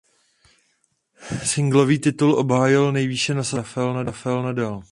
Singlový titul obhájil nejvýše nasazený Rafael Nadal.